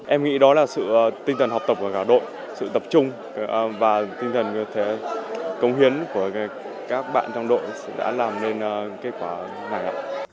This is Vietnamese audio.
em nghĩ đó là sự tinh thần học tập của cả đội sự tập trung và tinh thần công hiến của các bạn trong đội đã làm nên kết quả này ạ